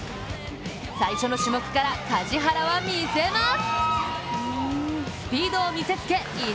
最初の種目から梶原は見せます。